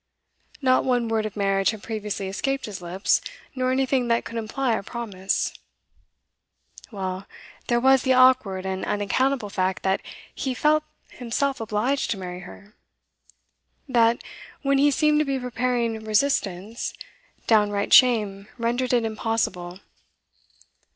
Not one word of marriage had previously escaped his lips, nor anything that could imply a promise. Well, there was the awkward and unaccountable fact that he felt himself obliged to marry her; that, when he seemed to be preparing resistance, downright shame rendered it impossible.